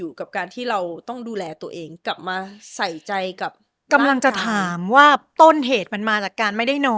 ทุกวันนี้เราได้แก้ปัญหาต้นเหตุไหมฮะ